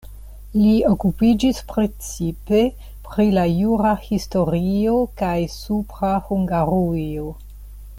Li okupiĝis precipe pri la jura historio kaj Supra Hungarujo.